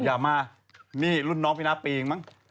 อย่ามานี่รุ่นน้องพี่น้าปีเองมั้ง